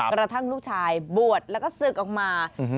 กระทั่งลูกชายบวชแล้วก็ศึกออกมา